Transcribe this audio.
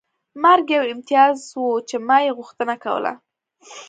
مرګ یو امتیاز و چې ما یې غوښتنه کوله